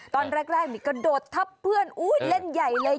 ตอนแรกนี่กระโดดทับเพื่อนเล่นใหญ่เลย